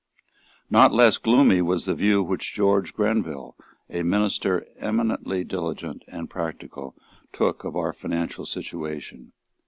Not less gloomy was the view which George Grenville, a minister eminently diligent and practical, took of our financial situation.